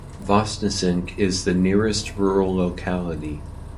Voznesensk is the nearest rural locality.